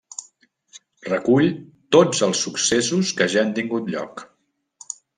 Recull tots els successos que ja han tingut lloc.